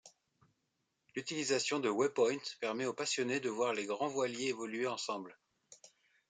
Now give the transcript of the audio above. L'utilisation de waypoints permet aux passionnés de voir les grands voiliers évoluer ensemble.